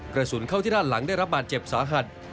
กระสุนเข้าที่ด้านหลังได้รับบาดเจ็บสาหัส